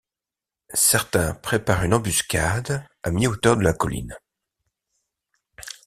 Certains préparent une embuscade à mi-hauteur de la colline.